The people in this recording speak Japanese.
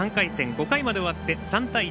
５回まで終わって３対１。